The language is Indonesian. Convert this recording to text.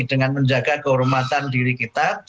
dengan menjaga kehormatan diri kita